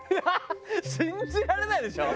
信じられないでしょ？